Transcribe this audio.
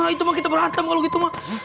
nah itu mah kita berantem kalau gitu mah